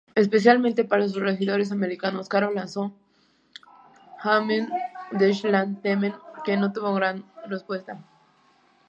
Especialmente para sus seguidores americanos, Carol lanzó "Heimweh-nach-Deutschland-Themen", que no tuvo una gran respuesta.